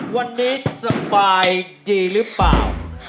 วันนี้สบายดีหรือเปล่า